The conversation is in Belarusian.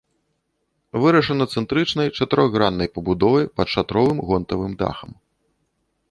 Вырашана цэнтрычнай чатырохграннай пабудовай пад шатровым гонтавым дахам.